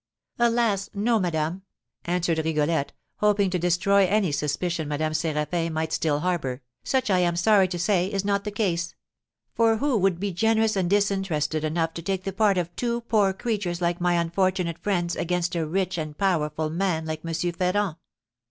"Alas, no, madame!" answered Rigolette, hoping to destroy any suspicion Madame Séraphin might still harbour; "such, I am sorry to say, is not the case. For who would be generous and disinterested enough to take the part of two poor creatures like my unfortunate friends against a rich and powerful man like M. Ferrand?"